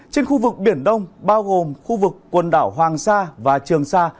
trên khu vực biển đông bao gồm khu vực quần đảo hoàng sa và trường sa